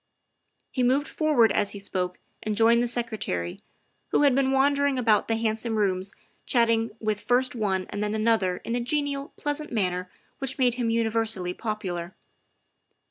'' He moved forward as he spoke and joined the Secre tary, who had been wandering about the handsome rooms chatting with first one and then another in the genial, pleasant manner which made him universally popular.